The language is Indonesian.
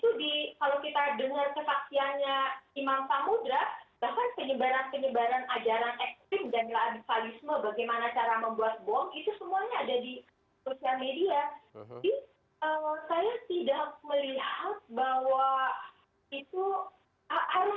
jadi saya tidak melihat bahwa itu harus hati hati lah memberikan pandangan tentang ini